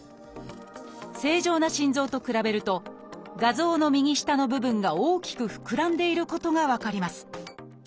正常な心臓と比べると画像の右下の部分が大きく膨らんでいることが分かります。